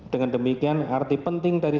dengan demikian arti penting dari